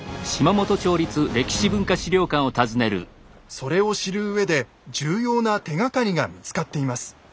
それを知るうえで重要な手がかりが見つかっています。